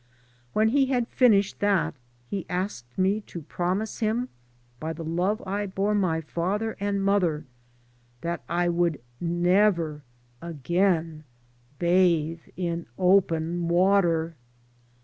When he had finished that he asked me to promise him by the love I bore my father and mother that I would never again bathe in open water.